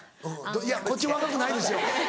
いやこっち若くないですよ